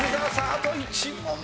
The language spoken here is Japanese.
あと１問。